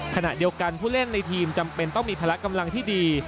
ขณะเดียวกันผู้เล่นในทีมจำเป็นต้องมีพละกำลังที่ดี